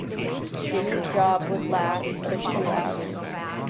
Jimmy's job would last but a few hours.